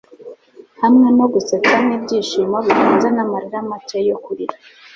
hamwe no gusetsa n'ibyishimo, bivanze n'amarira make yo kurira